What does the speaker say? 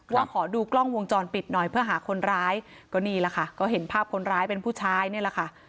ว่าขอดูกล้องวงจรปิดหน่อยเพื่อหาคนร้ายก็นี่แหละค่ะก็เห็นภาพคนร้ายเป็นผู้ชายนี่แหละค่ะ